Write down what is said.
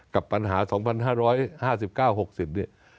กับปัญหา๒๕๕๙๖๐เนี่ย